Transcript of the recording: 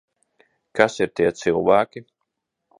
Kas ir tie cilvēki?